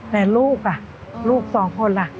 แต่ลูกล่ะลูกสองคนล่ะ